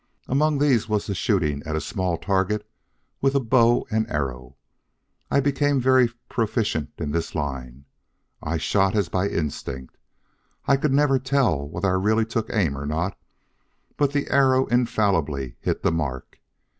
Among these was the shooting at a small target with a bow and arrow. I became very proficient in this line. I shot as by instinct. I could never tell whether I really took aim or not, but the arrow infallibly hit the mark.